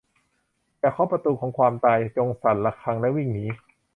อย่าเคาะประตูของความตาย จงสั่นระฆังและวิ่งหนี